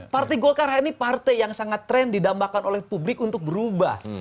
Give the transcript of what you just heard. partai golkar hari ini partai yang sangat trend didambakan oleh publik untuk berubah